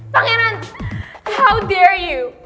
pangeran how dare you